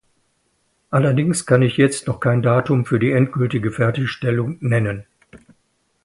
Allerdings kann ich jetzt noch kein Datum für die endgültige Fertigstellung nennen.